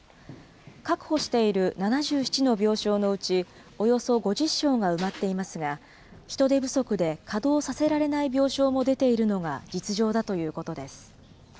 確保している７７の病床のうち、およそ５０床が埋まっていますが、人手不足で稼働させられない病床も出ているのが実情だということです。